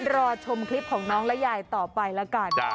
รอชมคลิปของน้องและยายต่อไปแล้วกัน